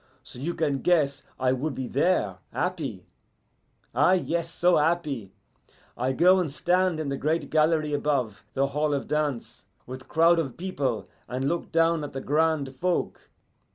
So you can guess I would be there happy. Ah yes, so happy! I go and stand in the great gallery above the hall of dance, with crowd of people, and look down at the grand folk.